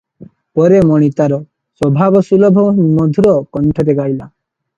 ପରେ ମଣି ତାର ସ୍ୱଭାବସୁଲଭ ମଧୁର କଣ୍ଠରେ ଗାଇଲା-